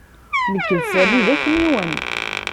Nekk d Sami d akniwen.